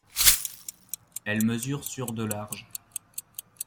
Elle mesure sur de large.